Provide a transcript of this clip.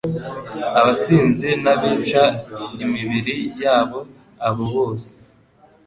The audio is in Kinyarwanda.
abasinzi, n’abica imibiri yabo, abo bose